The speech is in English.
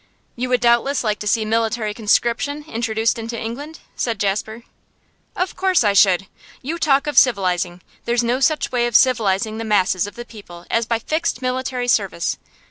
'You would doubtless like to see military conscription introduced into England?' said Jasper. 'Of course I should! You talk of civilising; there's no such way of civilising the masses of the people as by fixed military service.